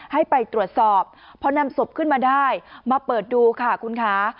ให้ไปตรวจสอบพอนำศพขึ้นมาได้มาเปิดดูค่ะคุณคะ